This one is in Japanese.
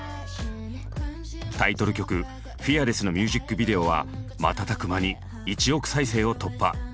タイトル曲「ＦＥＡＲＬＥＳＳ」のミュージックビデオは瞬く間に１億再生を突破。